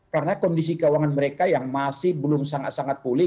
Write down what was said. karena kondisi keuangan mereka yang masih belum sangat sangat pulih